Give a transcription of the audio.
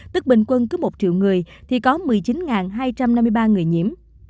tức bình quân cứ một triệu người thì có một mươi chín hai trăm năm mươi ba người nhiễm